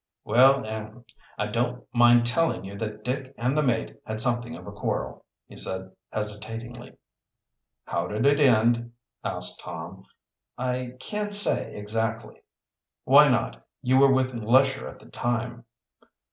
"Well er I don't mind telling you that Dick and the mate had something of a quarrel," he said hesitatingly. "How did it end?" asked Tom. "I can't say exactly." "Why not? You were with Lesher at the time."